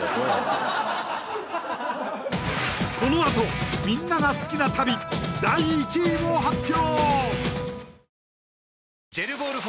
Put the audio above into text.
このあとみんなが好きな旅第１位を発表